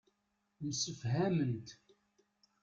Msefhament.